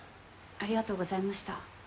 ありがとうございました本当に。